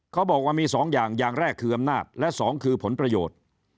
เขาบอกว่ามี๒อย่างอย่างแรกคืออำนาจและ๒คือผลประโยชน์